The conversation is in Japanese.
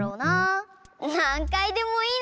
なんかいでもいいのに。